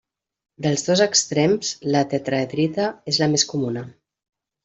Dels dos extrems, la tetraedrita és la més comuna.